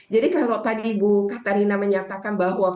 jadi kalau tadi ibu katarina menyatakan bahwa